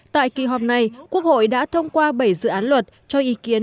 tại kỳ họp này quốc hội đã thông qua bảy dự án luật cho ý kiến